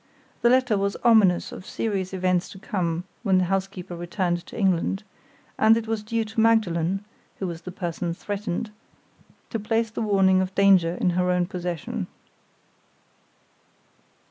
The letter was ominous of serious events to come when the housekeeper returned to England; and it was due to Magdalen—who was the person threatened—to place the warning of danger in her own possession.